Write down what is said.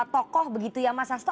tokoh begitu ya mas hasto